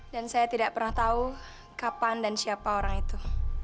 saya tidak pernah tahu kapan dan siapa orang itu